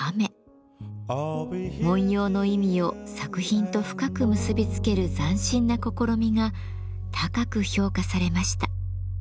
文様の意味を作品と深く結びつける斬新な試みが高く評価されました。